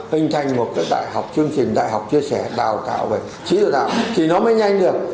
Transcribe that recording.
hình thành một cái đại học chương trình đại học chia sẻ đào tạo về trí tuệ tạo thì nó mới nhanh được